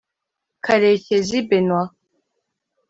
Karekezi Benoit